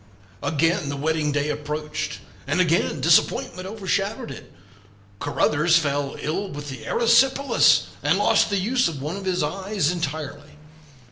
Again the wedding day approached, and again disappointment overshadowed it; Caruthers fell ill with the erysipelas, and lost the use of one of his eyes entirely.